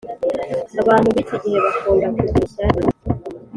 Abantu biki igihe bakunda kugira ishyari